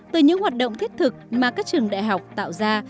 từ những hoạt động thiết thực mà các trường đại học tạo ra